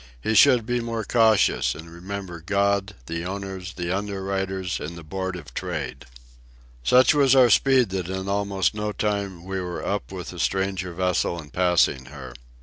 "He should be more cautious, and remember God, the owners, the underwriters, and the Board of Trade." Such was our speed that in almost no time we were up with the stranger vessel and passing her.